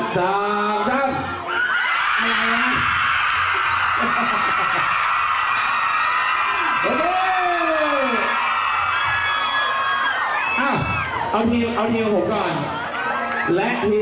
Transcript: แฟนน้องอยู่สี